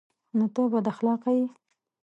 _نو ته بد اخلاقه يې؟